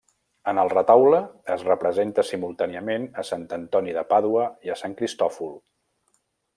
En el retaule es representa simultàniament a Sant Antoni de Pàdua i a Sant Cristòfol.